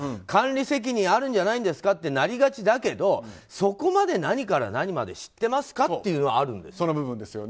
管理責任あるんじゃないんですかってなりがちだけどそこまで何から何まで知ってますかというのはあるんです。